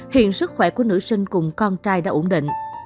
hiện sức khỏe của nữ sinh cùng con trai đã ổn định